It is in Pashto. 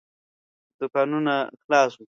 دوکانونه خلاص وو.